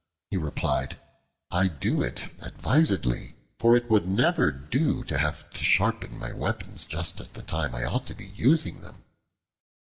He replied, "I do it advisedly; for it would never do to have to sharpen my weapons just at the time I ought to be using them."